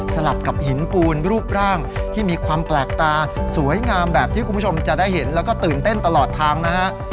ลับกับหินปูนรูปร่างที่มีความแปลกตาสวยงามแบบที่คุณผู้ชมจะได้เห็นแล้วก็ตื่นเต้นตลอดทางนะฮะ